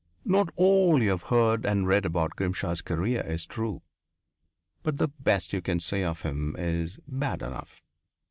Not all you have heard and read about Grimshaw's career is true. But the best you can say of him is bad enough.